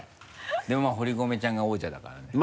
でもまぁ堀籠ちゃんが王者だからね。